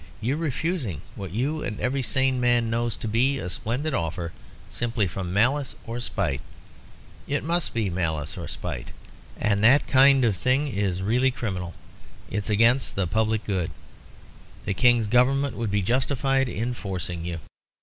You're refusing what you and every sane man knows to be a splendid offer simply from malice or spite it must be malice or spite. And that kind of thing is really criminal; it's against the public good. The King's Government would be justified in forcing you."